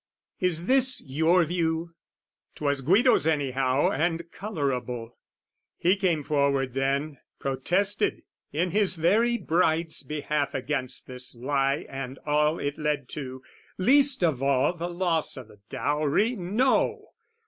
Is this your view? 'Twas Guido's anyhow And colourable: he came forward then, Protested in his very bride's behalf Against this lie and all it led to, least Of all the loss o' the dowry; no!